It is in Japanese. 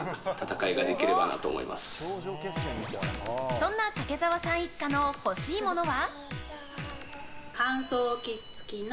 そんな武澤さん一家の欲しいものは？